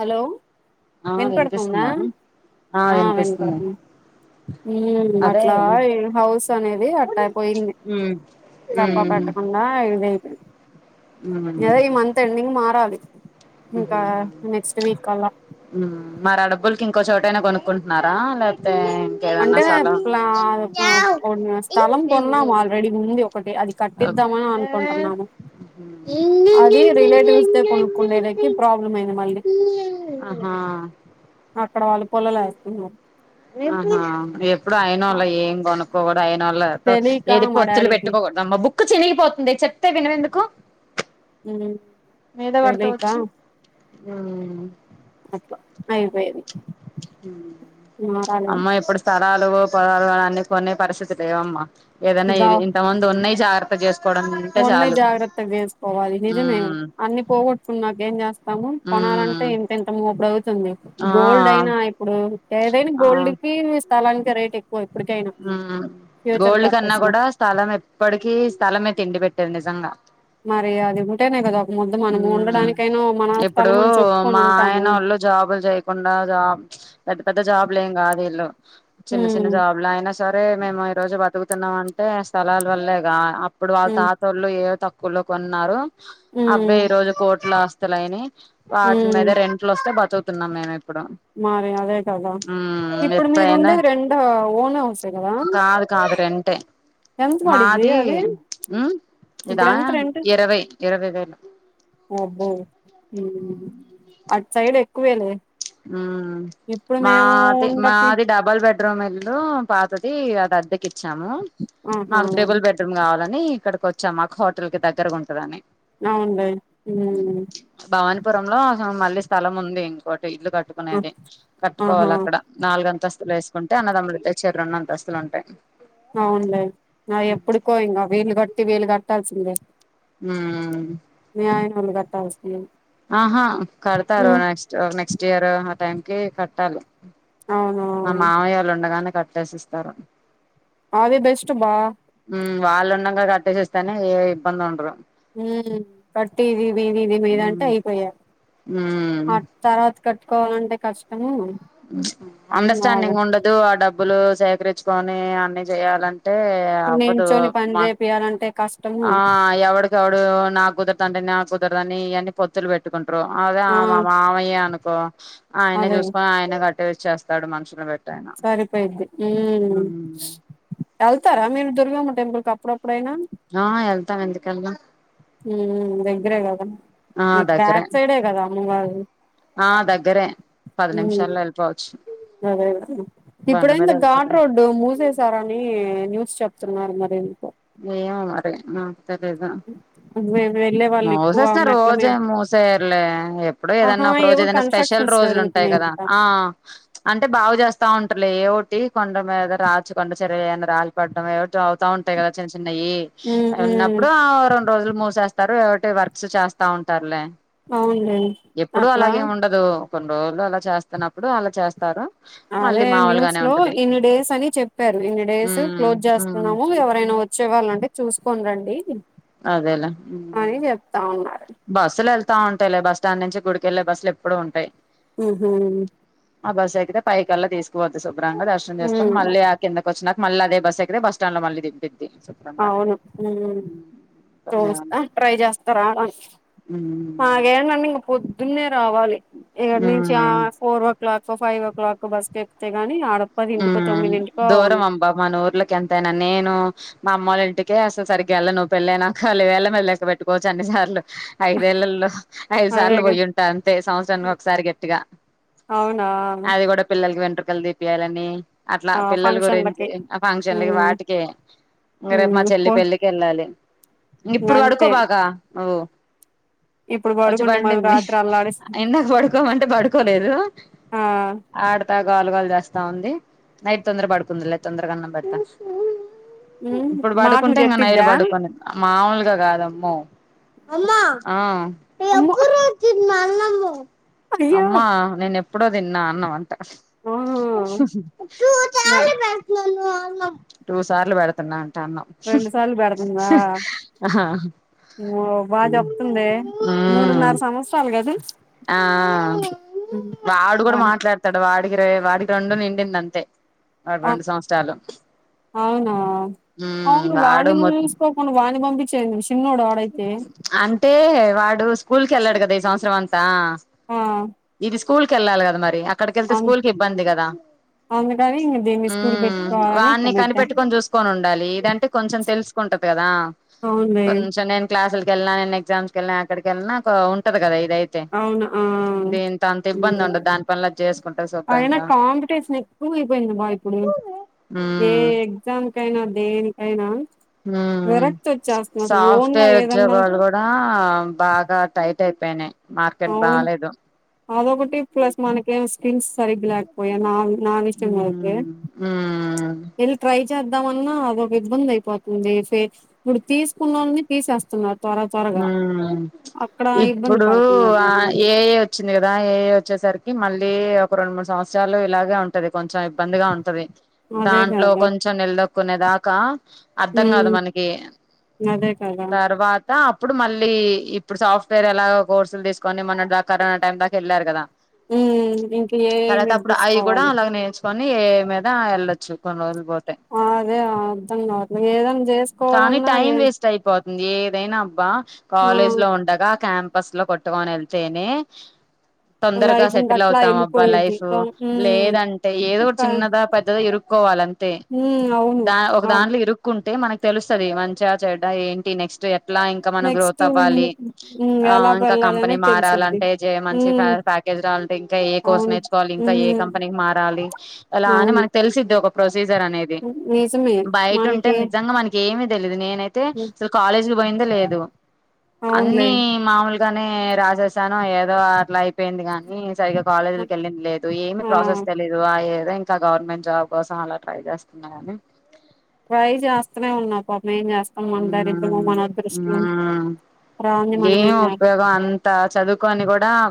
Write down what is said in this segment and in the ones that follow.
Hello ఆ విన్పడుతుందా వినిపిస్తుందా ఆ వినపడుతుంది ఉ అదే అట్లా ఉమ్ హౌస్ అనేది అట్ట అయిపోయింది చప్ప ఉమ్ పెట్టకుండా ఇదయితది ఉమ్ లేదా ఈ మంత్ ఎండింగ్ మారాలి ఇంకా ఉమ్ నెక్స్ట్ వీక్ అలా మరి ఆ డబ్బులకి ఇంకో చోటైన కొనుక్కుంటున్నార లేకపోతే ఇంకేదన్నా అంటే స్థలం ప్ల స్థలం కొన్నాం ఆల్రెడీ ఉంది ఒకటి అది కట్టి ద్దామని అనుకుంటున్నాము అది రిలేటివ్స్ దే కొనుక్కుండే లైక్ ప్రాబ్లం అయింది మళ్ళీ ఆహా అక్కడ వాళ్ళు పుల్లలు వేస్తున్నారు ఆహా ఎప్పుడు అయినోళ్లవి ఏం కొనుక్కవ ఆయినోళ్ళ తెలియక ఏది మా పొత్తులు డాడీకి పెట్టుకోకూడదమ్మ బుక్ చినిగిపోతుందె చెప్తే వినవేందుకు ఉమ్ మీద పడ్తవ్ తెలియక వచ్చి అట్ల అయిపోయేది మారాలి అమ్మ ఇప్పుడు స్థలాలు ద అన్ని కొనే పరిస్థితి లేవమ్మా ఏదైనా ఇ ఇంత ముందు ఉన్నయి జాగ్రత్త చేసు ఉన్నవి జాగ్రత్త చేసుకోవాలి నిజమే మ్మ్ అన్ని పోగొట్టుకున్నాక ఏం చేస్తాము కొణాల అంటే మ్మ్ ఎంతెంత మో ప్రభు తుంది ఆ గోల్డ్ అయినా ఇప్పుడు ఏదైన ఆ గోల్డ్ కి స్థలానికి రేట్ ఎ గోల్డ్ కన్నా పర్పస్ లో కూడ స్థలం ఎప్పటికిీ స్థలమే తిండి పెట్టేది నిజంగా మరి అది ఉంటేనే కదా ఒక ముద్ద మనము మ్మ్ ఉండడానికైనా మన ఇప్పుడు స్థలం అని చెప్పుకొని మా ఉంటాము ఆయనోళ్ళు జాబులు చేయకుండా జాబ్ పెద్ద పెద్ద జాబలేం కాదు ఇళ్ళు చిన్న ఉమ్ చిన్న జాబ్ అయినా సరే మేము ఈ రోజు బతుకుతున్నాం అంటే స్థలాల వల్లేగా అప్పుడు వాళ్ళ ఉమ్ తాత వాళ్ళు ఏ తక్కు కులో కొన్నారు అవే ఈ ఉమ్ రోజు కోట్ల ఆస్తులైనాయ్ వాటి ఉమ్ మీద రెంట్లు వస్తే బతుకుతున్నాం మేము పుడు మరి అదే కదా ఉమ్ ఇప్పుడు మీరు ఎప్పుడైనా ఉండేది రెంట్ ఓన్ హౌసే కదా కాదు కాదు రెంటే ఎంత పడిద్ది మాది అది ఉమ్ ఇదా ఇప్పుడు ఎంత రెంట్ ఇరవై ఇరవై వేలు అబ్బో ఉహు అటు సైడ్ ఎక్కువేలే ఉమ్ ఇప్పుడు మేము మాది ఉండతి మాది డబల్ బెడ్ రూమ్ ఇల్లు పాతది అది అద్దకి ఇచ్చాము, ఆహా మాకు ట్రిబుల్ బెడ్రూమ్ కావాలని ఇక్కడికి వచ్చాము మాకు హోటల్ కి దగ్గరగా ఉంటదని అవున్లే ఉమ్ పురంలో మళ్లీ స్థలం ఉంది ఇంకోటి ది ఇల్లు ఆ, కట్టుకునేది ఆహా కట్టుకోవాలి అక్కడ నాలుగుంతస్తులు ఎసు కుంటే అన్నదమ్ములు చేరీ రెండు అంతస్తులు ఉంటాయి అవునులే అవి ఎప్పుడుకో ఇంక వీలు కట్టి వీలు కట్టాల్సిందే ఉమ్ వాల్లూ కట్టాల్సిందే ఆహా కడతారు ఉమ్ నెక్స్ట్ నెక్స్ట్ ఇయర్ ఆ టైం కి కట్టాలి మా అవునవును మామయోళ్ళు ఉండగానే కట్టేసిస్తారు అది బెస్ట్ బా ఉమ్ వాళ్ళుండాంగ కట్టేసిస్తేనే ఏ ఇబ్బంది ఉండదు ఉమ్ కట్టి ఇది మీది ఇది మీది అంటే ఉమ్ అయిపోయే ఉమ్ అటు తర్వాత కట్టుకోవాలంటే కష్టము బాగా అండర్స్టాండింగ్ ఉండదు ఆ డబ్బులు సేకరించుకొని అన్ని చేయాలం టే అవ్వదు నించొని పని మా చేపియాలంటే కష్టము ఆ ఎవడికెవడు నా కుదరదు అంటే నా కుదరదుని ఇవన్నన్ని పొత్తులు పెట్టుకుంట రూ అదే ఆ మామయ్య అనుకో ఆయనే అదే చూసుకొని ఆయనే కట్టిచ్చేస్తాడు మనుషులు పెట్ సరిపోయిద్ది ఉ వెళ్తారా మీరు దుర్గమ్మ టెంపుల్ కి అప్పుడప్పు ఆ ఏళ్తాం ఎందుకెళ్ళం ఉమ్ దగ్గరే కదా ఆ మీకు దగ్గరే బ్యాక్ సైడే కదా అమ్మవారు ఆ దగ్గరే పది ఉమ్ నిమిషాల్లో ఎళ్ళిపోవచ్చు అదే ఇప్పుడైంత ఘాట్ రోడ్డు మూసేసారని న్యూస్ చెప్ తున్నారు మరి ఎందుకో ఏమో మరీ ఉమ్ అటు భయమై [inaudible] మూసేస్తే రోజెం మూసేయర్లే ఎప్పుడు ఆహా ఏదన్నా ఒక రోజు ఏవో ఏదనా స్పెషల్ కన్స్ట్రక్షన్స్ రోజులుంటాయి కదా జరుగుతున్నాయంట ఆ అంటే బాగు చేస్తా ఉంటలే ఏవోటీ కొండ మీద రాచ్చు కొండ చర్యలు ఏవన్నా రాలి పడ్డం ఏవోటి అవుతా ఉంటాయి కదా చిన్న న్నాయి ఉమ్ ఉమ్ ఉన్నప్పుడు రెండు రోజులు మూసేస్తారు ఒకటి వర్క్స్ చేస్తా ఉంటారులే అవునులే ఎప్పుడు అట్లా అలాగేమి ఉండదు కొన్ని రోజులు అలా చేస్తున్నప్పుడు అలా చేస్తారు అదే మళ్ళీ న్యూస్ మాములుగానే లో ఉంటది ఇన్ని డేస్ అని చెప్పారు ఇన్ని డేస్ ఉమ్ క్లోజ్ ఉమ్ చేస్తున్నాము ఎవరైనా వ చ్చేవాళ్ళంటే చూసుకోని రండి అదేలే అని చెప్తా ఉన్నారు బస్సులేల్ ల్తా ఉంటాయిలే బస్ స్టాండ్ నుంచి గుడికెళ్లే బస్సులు ఎప్పుడు ఉంటాయి ఉహూ. ఆ బస్సు ఎక్కితే పై కల్లా తీసుకపోతది శుభ్రంగా దర్శనం చేసుకొని ఉమ్ మళ్ళీ ఆహ్ కిందకు. వచ్చినక మళ్లీ అదే బస్ ఎక్కితే బస్టాండ్ లో మళ్ళిదింపిది. అవును ఉమ్. చూస్తా ట్రై చేస్తారా ఉమ్ మాగేంటండి ఇంక పొద్దున్నే రావాలి. ఇక్కడ నుంచి ఆహ్ four o'clock five o'clock bus ఎక్కితే కాని ఆడ. పదింటికో ఉమ్ తొమ్మిదింటికో అవును దూరం అమ్బా మానూఊర్లకి ఎంతనా నేను మా అమ్మ గారి. ఇంటికే అసలు సరిగ్గా వెళ్ళను పెళ్లయినాక వేళ మీద లెక్క పెట్కోవచ్చు అన్నిసార్లు. ఐదేళ్లలో ఐదు సార్లు అదేగా పోయి ఉంటా అంతే సంవత్సరాన్ని ఒకసారి గట్టిగా. అవునా అది కూడా పిల్లలకి వెంట్రుకలు దీపియాలని. అట్లా ఆ పిల్లల గురించి ఫంక్షన్లకి ఆ ఫంక్షన్లకి ఉమ్ వాటికే. ఇంక రేపు మా ఉమ్ చెల్లి పో పెళ్లికి వెళ్ళాలి ఇప్పుడు పడుకో అంతే బాగా నువ్వు. ఇప్పుడు వచ్చి పడుకుండి మళ్ళీ పండింది రాత్రి అల్లాడిస్ ఇందక పడుకోమంటే పడుకోలేదు. ఆ ఆడతా గోల గోల చేస్తా ఉంది నైట్ తొందర పడుకుంది లే తొందరగాన్నం పెడతా. ఉమ్ ఇప్పుడు మాటలు పడుకుంటే ఇంకా నైట్ చెప్పిద్దా పడుకనిదు మాములుగా. ఇంకా కాదమ్మో. అమ్మా అమ్మో అయ్యో నేను ఎప్పుడో తిన్నా అన్నం అంటా. ఆ మే ఆహ్ టూ సార్లు పెడుతున్నా. అన్నం ఉమ్ రెండు సార్లు పెడుతుందా ఉమ్. ఓ బాగా చెప్తుందే మూడున్నర సంవత్సరాలు కాదు. ఆహ్ వాడు కూడా బానే మాట్లాడతాడు వాడు. వేయిరే వాడికి రెండు నిండింది అంతే. వాడికి ఆహ్ రెండు సంవత్సరాలు అవునా ఉమ్ అవును వాడు వాణి మొ నువ్వు చూసుకోకుండా వాని. రింగ్వాంది చేయినుంచి. అంటే వాడు స్కూల్ కేళ్ళాడు కదా ఈ సంవత్సరం అంతా. ఆ ఇది స్కూల్కి వెళ్ళాలి కదా మరి అక్కడికి వెళ్తే అవు స్కూల్ కి ఇబ్బంది కదా. అందుకని ఇంక దీన్ని స్కూల్ ఉమ్ పెట్టుకోవాలని ఇక్కడ వాన్ని పెట్టా కనిపెట్టుకొని చూసుకొని ఉండాలి ఇదంటే కొంచెం తెలుసుకుంట. టపేకదా. అవునే. నేను క్లాసులు కెళ్ళినా నేను ఎగ్జామ్స్ కేళ్లిన ఎక్కడికి వెళ్ళనా ఒక ఉంటది కదామే. దైతే అవును ఆ దీంతో అంత ఇబ్బంది ఉమ్. ఉండదు దాని పనులది చేసుకుంటాది శుభ్రంగా. కూలిపోయింది అబ్బా ఇప్పుడు ఏ ఉమ్ ఎగ్జామ్ కైనా దేనికైనా. ఉమ్ విరక్తి వచ్చేస్తుంది అసలు ఓన్ గా సాఫ్ట్వేర్ ఏదన్నా ఉద్యోగాలు కూడా బాగా టైప్. టైపు పైనే. అవును అదొకటి ప్లస్ మనకేం స్కిల్స్ సరిగా. లా పోయానా నా ఇష్టం కదావే. ఉమ్ ఉమ్ వెల్ ట్రై చెయ్. చేద్దామన్నా అదొక ఇబ్బంది అయిపోతుంది ఫేక్ ఇప్పుడు తీసుకున్నోంది తీసేస్తున్నారు. త్వర త్వరగా ఉమ్ ప్చ్. అక్కడ ఇబ్బంది ఇప్పుడు పడుతున్నారు ఆహ్ జనాలు ఏఐ వచ్చింది కదా ఏఐ వచ్చేసరికి మళ్ళీ. ఏఐ ఒక రెండు మూడు సంవత్సరాలు ఇలాగే ఉంటది కొంచెం ఇబ్బందిగా ఉంటది. అదే దాంట్లో కదా కొంచెం నిలదొక్కునే దాకా. అర్ధం కాదు ఉమ్ మనకి అదే కదా తర్వాత. అప్పుడు మళ్ళీ ఇప్పుడు సాఫ్ట్వేర్ అలా కోర్సులు తీసుకొని మొన్నటి దాకా కరోనా టైమ్ దాకా వెళ్ళారు కదా. ఉమ్ ఇంక తర్వాత ఏమి అప్పుడు అవి కూడా తీసుకోవాలి అలాగ నేర్చు. కొని ఏ మీద యెళ్ళొచ్చు కొన్ని రోజులు పోతే ఆ అదే అర్ధం గాట్లే ఏదన్నా జేస్ కానీ టైం వేస్ట్ అయిపోతుంది ఏదైనా అబ్బా ఆ కాలేజ్ లో ఉండగా క్యాంప్ బస్సు లో కొట్టవని యెళ్తేనే తొందరగా లైఫ్ ఇంక సెటిల్ అట్లా అవుతాం అబ్బా ఎళ్ళిపోయేది లైఫ్ తో ఉమ్ లేదంటే ఏదో ఒక చిన్నదా పెద్దదా ఇరు కోవాలంతే ఉమ్ అవును దా ఒక అవ్ దాంట్లో ఇరుక్కుం టే మనకు తెలుస్తది మంచా చెడ్డా ఏంటి నెక్స్ట్ అట్లా ఇంకా మనం నెక్స్ట్ గ్రోత్ అవ్వాలి ఉమ్ ఆ ఎలా ఇంకా వెళ్ళాలి కంపెనీ అనేది తెలుసుద్ది మారాలంటే జయం మంచి ఉమ్ ఫ్యాక్ జ్ రావాలంటే ఇంకా ఏ కోర్స్ అవును నేర్చుకోవాలి ఇంకా ఏ ఉమ్ కంపెనీకి మారాలి అలా అని అవును మనకు తెలిసిద్ది ఒక సీజర్ అనేది నిజమే బయట ఉంటే మనకి నిజంగా మనకి ఏమి తెలిదు నే నైతే అసలు కాలేజీకి పోయిందే లేదు అవునులే అన్ని మామూలుగానే రాసేసాను ఏదో అట్లా అయిపోయింది గాని సరిగా కాలేజీకి యెళ్ళింది లేదు ఏమి ఆ ప్రాసెస్ తెలీదు ఆ యే అదే ఇంకా గవర్నమెంట్ జాబ్ కోసం అలా ట్రై జేస్తున్నా గాని ట్రై జేస్తనే ఉన్నా పాపం ఏం జేస్తాం మన దరిద్రమో మ్మ్ మన అదృష్టమో మ్మ్ రాంది మనం ఏం చేస్తాం ఉపయోగం అంత చదువుకొని గూడా ఆ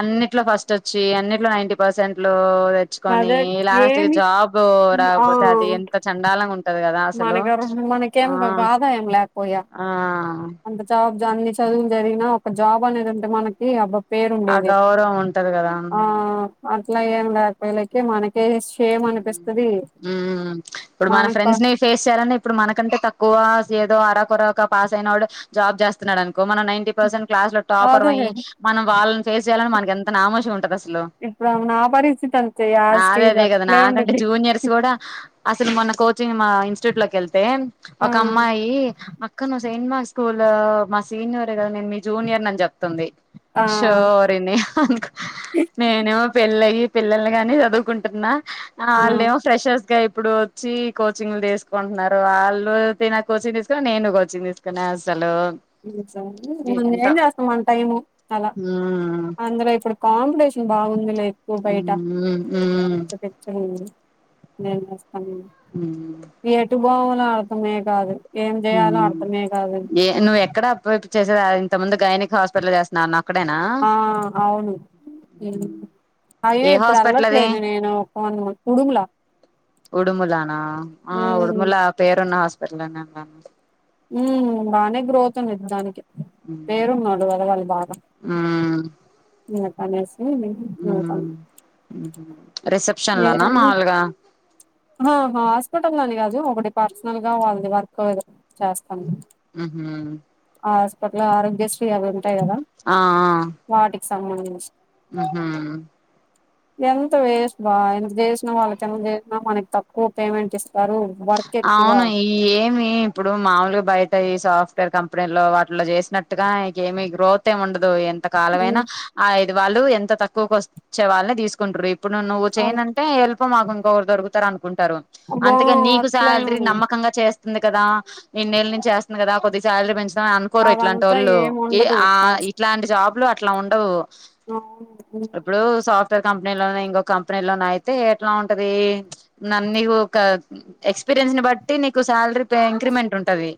అన్నిట్లో ఫస్ట్ వచ్చి అన్నిట్లో నైంటీ పర్సెంట్ లో తెచ్చుకొని అదే లాస్ట్ ఏమి జాబ్ ఆ రాకపోతే అది ఎంత చండాలంగా ఉంటది గదా అసలు ఇంకెం ఆ ఆదాయం లేకపోయా ఆ అంత జాబ్ అన్ని చదువు జదివినా ఒక జాబ్ అనేదుంటే మనకి అబ్బ ఆ పేరుండేది గౌరవం ఉంటది కదా ఆ అట్లా ఏం ఉండదు వాళ్ళకి మనకి ఉమ్ ఇప్పుడు మన మనకు ఫ్రెండ్స్ ని ఫేస్ చేయాలంటే ఇప్పుడు మనకంటే తక్కువ ఏదో అరకొరక పాస్ అయినోడే జాబ్ జేస్తున్నాడను కో మనం నైంటీ పర్సెంట్ క్లాస్ లో టాపర్ అదే మైయి మనం వాళ్ళని ఫేస్ జేయాలని మనకి ఎంత నామూష్ ఉంటదో ఇప్పుడు ఆమె నా పరిస్థితి అంతే యాజ్ నాదే స్టీజ్ అదే గా నాకంటే జూనియర్స్ గూడా అసలు మొన్న కోచింగ్ మా ఇన్స్టిట్యూట్ లో కె ళ్తే ఆ ఒక అమ్మాయి అక్క నువ్ సెంట్ మా స్కూల్ లో మా సీనియర్ గదా నేను మీ జూనియర్ అని జెప్తుంది ఆ షోరీనింకా నేనేమో పెళ్ళయి పిల్లల్ని కని చదువుకుం టున్నా మనం ఆళ్ళెమో ఫ్రెషర్స్గా ఇప్పుడు వచ్చి కోచింగ్లు దీసుకుంటున్నారు వాళ్ళు తినే కోచింగ్ తీసుకుని నేను కోచింగ్ తీసుకునే అసలు నువ్ ఇప్పుడు ఏం ఏంటో చేస్తాం మన టైము అలా ఉమ్ అందులో ఇప్పుడు కాంపిటీషన్ బాగుంది లే ఎక్కువ బయట ఉమ్ ఉమ్ పిచ్చ పిచ్చగా నేనోస్తాను ఉమ్ ఎటు బోవాలో అర్థమే గాదు ఏ నువ్వు ఎక్కడ చేసేది ఇంత ముందు గైనిక్ హాస్పిటల్ లో జేస్తున్నా అన్నావ్ ఆ అవును అయ్యో ఏ ఇప్పుడు హాస్పిటల్ అది యెళ్ళట్లేదు నేను ఒక ఉడుములా ఉడుములానా ఆ ఉమ్ ఉడుములా పేరున్న హాస్పిటల్ ఉమ్ బాగానే గ్రోత్ ఉండిది దానికి పేరున్నది వదలకు బాగా ఉమ్ పనిజేస్ రిసెప్షన్ లోనా మామూలుగా ఓహా హాస్పిటల్ లోని గాదు ఒకటి పర్సనల్ గా వాళ్ళది వర్క్ చేస్తా ఉమ్ హు ఆ హాస్పిటల్ ల ఆరోగ్యశ్రీ అవి ఉంటాయి గదా వాటికి సంబంధించి ఉమ్ హు ఎంత వేస్ట్ బా ఎంత చేసినా వాళ్ళకి ఎంత చేసినా మనకి తక్కువ పేమెంట్ ఇస్తారు వర్క్ ఎక్కువ అవును ఏమి ఇప్పుడు మాముూలుగా బయటయి సాఫ్ తారు కంపెనీల్లో వాటిలో చేసినట్టుగా నీకేమి గ్రోత్ ఏమి ఉండదు ఎంత కాలమైనా హ్మ్. అయి ది వాళ్ళు ఎంత తక్కువకు వచ్చే వాళ్ళని తీసుకుంటారు ఇప్పుడు నువ్వు అది చేయనంటే ఎళ్ళిపో మాకు ఇంకొకరు దొరకు తారు అనుకుంటారు అబ్బా అంతకే నీకు అట్లే శాలరీ ఉంది నమ్మకంగా చే చేస్తుంది కదా ఇన్నేళ్ల నుంచి వేస్తుంది కదా కొద్ది సాలరీ పెంచ తా అనుకోరు అదంతా ఇట్లాంటోళ్లు ఏమి ఏ ఉండదు ఆ ఇట్లాంటి జాబ్లు అట్లా ఉండవు అవును మ్ ఇప్పుడు సాఫ్ట్వేర్ కంపెనీలోనే ఇంకొక కంపెనీలోన అయితే ఎట్ల ఉంటది నన్నీ ఒక ఎక్స్పీరియన్స్ ని బట్టి నీకు శాలరీ పే ఇంక్రిమెంట్ ఉంటది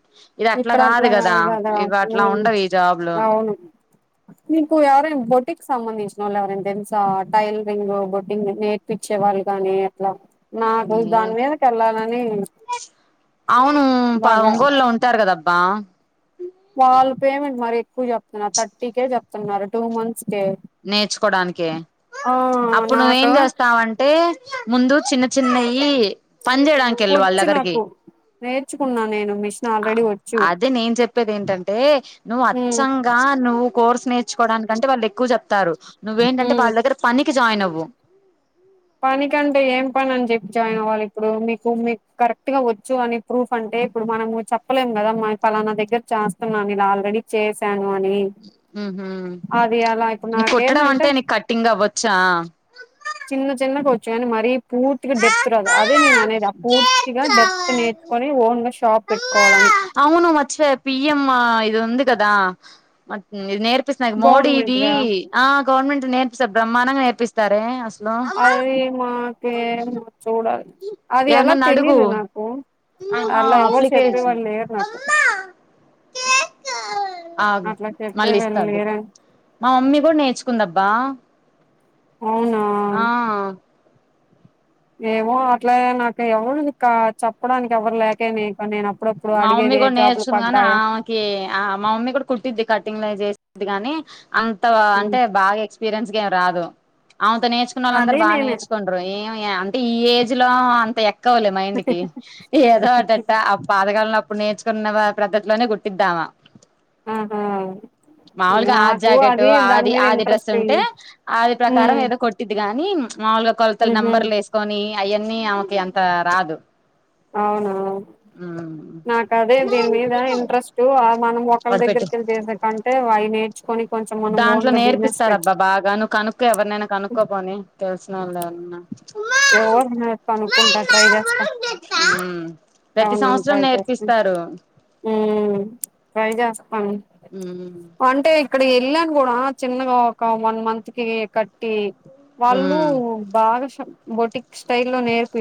ఇదట్ల ఇక్కడ కాదు అట్లా కదా ఇవట్ల హ్మ్. ఉండవు ఈ జాబ్లు అవును మీకు ఎవరైనా బోటిక్ సంబంధించి నోల్ ఎవరైనా తెలుసా టైలరింగ్ బోటింగ్ నేర్పిచ్చేవాళ్ళుగానీ అట్ల మ్ అవును ప బాగా ఒంగోలులో ఉంటారు కదా పా వాళ్ళు పేమెంట్ మరి ఎక్కువ చెప్తున్నారు థర్టీ కె చెప్తున్నారు టూ మంత్స్ కే నేర్చుకోడానికి ఆ అప్పుడు నువ్వేం నాకు చేస్తావంటే ముందు చిన్న చిన్నయి పని చేయడానికెల్లు వాళ్ళ వచ్చు దగ్గరికి నాకు నేర్చుకున్నా నేను మిషన్ ఆల్రెడీ వచ్చు అదే నేను చెప్పేది ఏంటంటే నువ్వు ఉమ్ అచ్చంగా నువ్వు కోర్స్ నేర్చుకోవడానికంటే వాళ్ళు ఎక్కువ చెప్తారు నువ్వేంటంటే ఉమ్ వాళ్ళ దగ్గర పనికి జాయిన్ అవ్వు పనికంటే ఏం పని అని చెప్పి జాయిన్ అవ్వాలి ఇప్పుడు మీకు మీకు కరెక్ట్ గా వచ్చు అని ప్రూఫ్ అన్ టే ఇప్పుడు మనము చెప్పలేము కదా ఫలానా దగ్గర చేస్తున్నాం ఇలా ఆల్రెడీ చేసా అని అది అలా ఇప్పుడు నీకు కుట్టడం నాకేందంటే అంటే నీకు కట్టింగ్ అవ్వచ్చా చిన్న చిన్నగ వచ్చు గానీ మరీ పూర్తిగ డెప్త్ రాద అదే నేను అనేది అ పూర్తిగ డెప్త్ నేర్చుకోని ఓన్ గా షాప్ పెట్ అవును మర్చిపోయా పిఎం ఇది ఉంది కదా నేర్ నేర్పిస్తునది మోడీ ఇది గవర్నమెంట్ గా ఆ గవర్నమెంట్ నేర్పిస్తాది బ్రహ్మాండంగా నేర్పిస్తారే అసలు అది మాకేమో చూడా అది ఎలా ఎవరినన్నా అడుగు తెలిదు నాకు ఆహా అలా ఎవరు చెప్పేవాళ్ళు లేరు నాకు అ ఆగు అట్లా మళ్ళీ చెప్పేవాళ్ళు ఇస్త దిగు లేరని మా మమ్మీ కూడా నేర్చుకుందబ్బా అవునా ఆ ఏమో అట్లయ నాకు ఎవరు ఇంక చెప్పడానికి ఎవరు లేకే నే ఇంక నేనప్ మా మమ్మీ కూడా నేర్చుకుంది గానీ ఆమెకి ఆ మా మమ్మీ కూడా కుట్టిద్ది కటింగ్ లవి చేసి ఇది కాని అంత హ్మ్. అంటే బాగా ఎక్స్పీరియన్స్ గా ఏం రాదు ఆమెతో నేర్చుకున్న వాళ్ళందరు అదే బా నేను నేర్చుకుంటరు ఏమీ అంటే ఈ ఏజ్ లో అంత ఎక్కవులే మైండ్ కి ఏదో అట్టట్ట అప్ తెగాల్నొ అప్పుడు నేర్చుకున్న వా ప్రద్ధతిలోనే కుట్టిద్దామ ఆహా మాముూలుగా ఆది నాకు జాకెట్ అది దాని ఆది మీద ఆది డ్రెస్ ఇంట్రెస్ట్ ఉంటే ఆది ప్రకారం ఉమ్ ఏదో కొట్టిద్ది గాని మాముూలుగా కొలతలు ఉహు నంబర్లు ఏసుకొని అయన్నీ ఆమెకి అంత రాదు అవునా నాకదే దీని మీద ఇంట్రెస్ట్ ఆ మనం ఒకళ్ళ వడపెట్టు దగ్గరికెళ్ళి చేసేకంటే వాయి నేర్చు దాంట్లో నేర్పిస్తారబ్బ బాగా నువ్వు కనుక్కో ఎవరినైనా కనుక్కో పోని తెలిసినోళ్ళని ఎవరినైన ఎవర్ ఉన్నర్ కనుక్కుంట ట్రై జేస్త ప్రతి అవునవును సంవత్సరం ట్రై చేస్తా నేర్పిస్తారు ఊ ట్రై జేస్ ఉమ్ [unintelligible] అంటే అక్కడ యెళ్ళాను గూడా చిన్నగ వొక వన్ మంత్ కీ కట్టీ వాళ్లూ ఉమ్ బాగ బొటిక్ స్టైల్లో నేర్పి